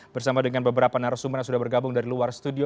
bersama dengan beberapa narasumber yang sudah bergabung dari luar studio